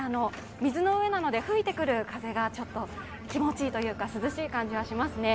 水の上なので吹いてくる風が気持ちいいというか、涼しい感じはしますね。